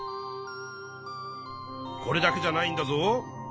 これだけじゃないんだぞ。